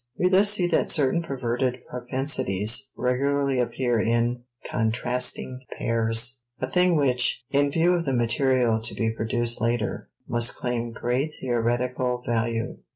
We thus see that certain perverted propensities regularly appear in contrasting pairs, a thing which, in view of the material to be produced later, must claim great theoretical value.